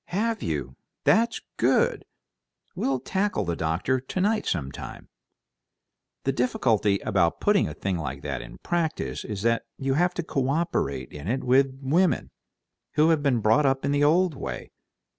"Have you? That's good! We'll tackle the doctor together sometime. The difficulty about putting a thing like that in practice is that you have to co operate in it with women who have been brought up in the old way.